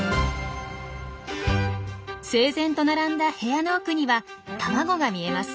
整然と並んだ部屋の奥には卵が見えます。